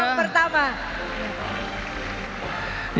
menerima potongan tumpeng pertama